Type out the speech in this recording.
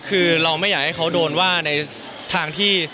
คือเราไม่อยากให้เขาโดนว่าในทางที่